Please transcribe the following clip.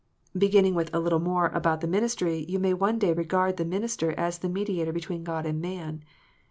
Beginning with a " little more about the ministry," you may one day regard the minister as "the mediator between God and man."